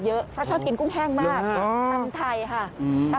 เยอะเพราะชอบกินกุ้งแห้งมากตำไทยค่ะ